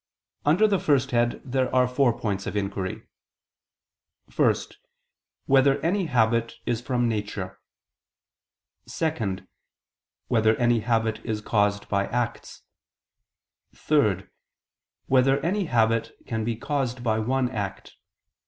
Under the first head there are four points of inquiry: (1) Whether any habit is from nature? (2) Whether any habit is caused by acts? (3) Whether any habit can be caused by one act?